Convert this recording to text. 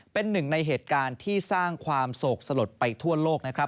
เป็นหนึ่งในเหตุการณ์ที่สร้างความโศกสลดไปทั่วโลกนะครับ